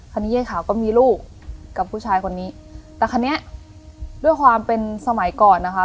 เย้ขาวก็มีลูกกับผู้ชายคนนี้แต่คันนี้ด้วยความเป็นสมัยก่อนนะคะ